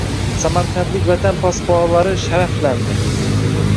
Samarqandlik Vatan posbonlari sharaflandi